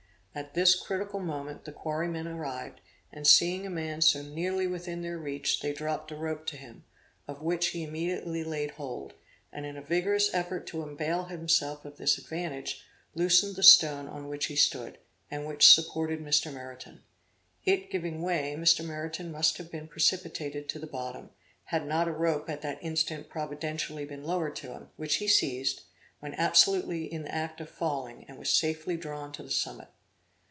At this critical moment the quarrymen arrived, and seeing a man so nearly within their reach, they dropped a rope to him, of which he immediately laid hold; and in a vigorous effort to avail himself of this advantage, loosened the stone on which he stood, and which supported Mr. Meriton. It giving way, Mr. Meriton must have been precipitated to the bottom, had not a rope at that instant providentially been lowered to him, which he seized, when absolutely in the act of falling, and was safely drawn to the summit.